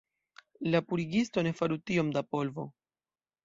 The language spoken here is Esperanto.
La purigisto ne faru tiom da polvo!